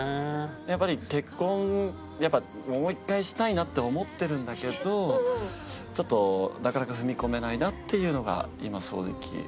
やっぱり結婚もう１回したいなって思ってるんだけどちょっとなかなか踏み込めないなっていうのが今正直。